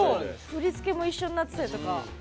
振り付けも一緒になってたりとか。